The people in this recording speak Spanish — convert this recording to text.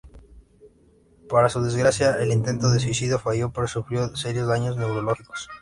Para su desgracia, el intento de suicidio falló, pero sufrió serios daños neurológicos.